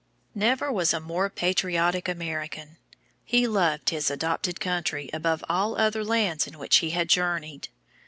Never was a more patriotic American. He loved his adopted country above all other lands in which he had journeyed.